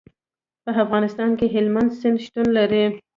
په افغانستان کې هلمند سیند شتون لري.